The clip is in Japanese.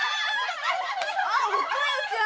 あおかよちゃん！